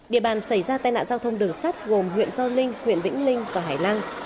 địa bàn xảy ra tai nạn giao thông đường sắt gồm huyện do linh huyện vĩnh linh và hải lăng